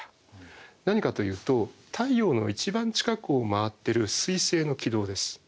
何かというと太陽の一番近くを回ってる水星の軌道です。